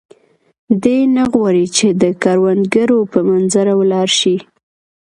دی نه غواړي چې د کروندګرو په منظره ولاړ شي.